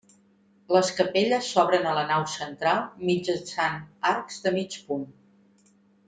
Les capelles s'obren a la nau central mitjançant arcs de mig punt.